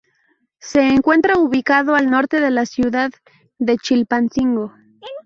Se encuentra ubicado al norte de la ciudad de Chilpancingo.